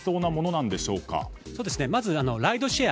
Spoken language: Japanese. まずライドシェア。